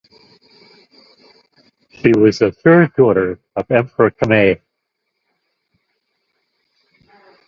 She was the third daughter of Emperor Kinmei.